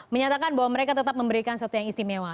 menyatakan bahwa mereka tetap memberikan sesuatu yang istimewa